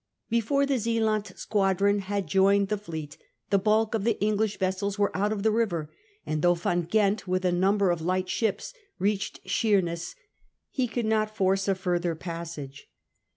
Before the Zealand squadron had joined the fleet the bulk of the English vessels were out of the river ; and though Van Ghent, with a number of light ships, reached Sheerness, he could not force a further passage.